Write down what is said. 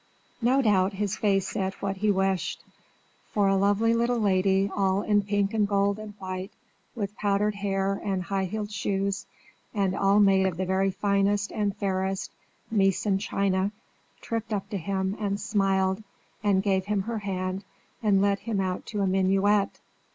No doubt his face said what he wished; for a lovely little lady, all in pink and gold and white, with powdered hair, and high heeled shoes, and all made of the very finest and fairest Meissen china, tripped up to him, and smiled, and gave him her hand, and led him out to a minuet.